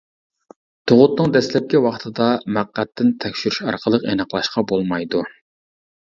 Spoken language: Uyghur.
تۇغۇتنىڭ دەسلەپكى ۋاقتىدا مەقئەتتىن تەكشۈرۈش ئارقىلىق ئېنىقلاشقا بولمايدۇ.